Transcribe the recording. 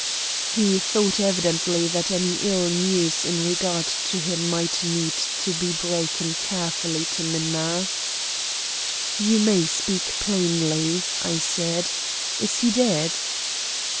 He thought evidently that any ill news in regard to him might need to be broken carefully to Minna. "You may speak plainly," I said. "Is he dead?"